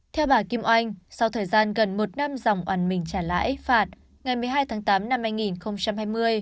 theo bà kim oanh sau thời gian gần một năm dòng oàn mình trả lãi phạt ngày một mươi hai tháng tám năm hai nghìn hai mươi